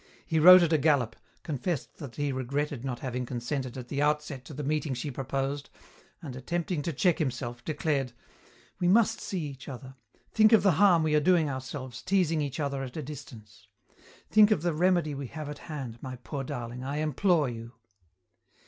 He wrote at a gallop, confessed that he regretted not having consented, at the outset, to the meeting she proposed, and, attempting to check himself, declared, "We must see each other. Think of the harm we are doing ourselves, teasing each other at a distance. Think of the remedy we have at hand, my poor darling, I implore you."